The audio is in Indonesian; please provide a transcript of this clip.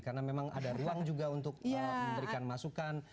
karena memang ada ruang juga untuk memberikan masukan